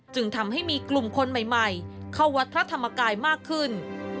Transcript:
จึงทำให้มีกลุ่มคนใหม่เข้าวัดพระธรรมกายมากขึ้น